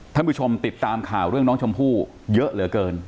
ท่านผู้ชมติดตามข่าวเรื่องน้องชมพู่เยอะเหลือเกิน